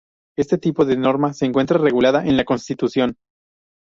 Este tipo de norma se encuentra regulada en la Constitución.